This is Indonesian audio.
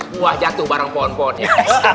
buah jatuh barang pohon pohonnya